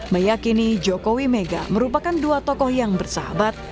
meyakini jokowi mega merupakan dua tokoh yang bersahabat